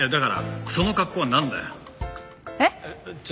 えっ？